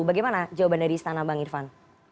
bagaimana jawaban dari istana bang irfan